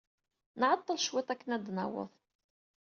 Nɛeḍḍel cwiṭ akken ad d-naweḍ.